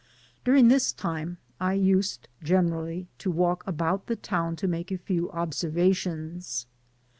During this time I used generally to walk about the town to make a few observation9.